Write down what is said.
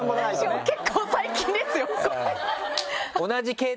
しかも結構最近ですよ。